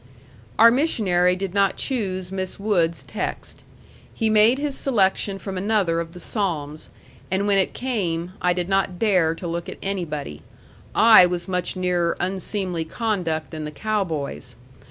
Our missionary did not choose Miss Wood's text. He made his selection from another of the Psalms; and when it came, I did not dare to look at anybody; I was much nearer unseemly conduct than the cow boys.